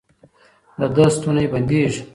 د ده ستونی بندېږي.